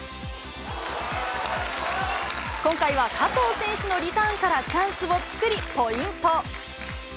今回は加藤選手のリターンからチャンスを作り、ポイント。